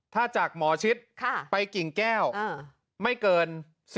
ถ้าจากหมอชิดไปกิ่งแก้วไม่เกิน